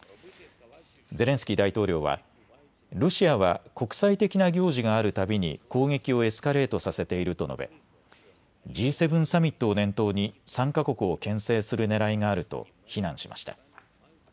ゼレンスキー大統領はロシアは国際的な行事があるたびに攻撃をエスカレートさせていると述べＧ７サミットを念頭に参加国をけん制するねらいがあると非難しました。